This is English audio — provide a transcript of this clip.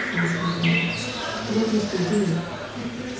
asked my wife. "What must we do?"